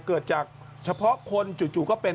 เกิดจากเฉพาะคนจู่ก็เป็น